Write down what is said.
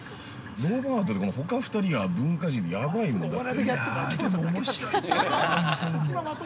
ロバート、でもほか２人が文化人て、ヤバいもん、だって。